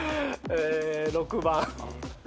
６番。